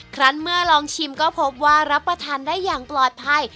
ครั้งเมื่อลองชิมก็พบว่ารับประทานได้อย่างปลอดภัย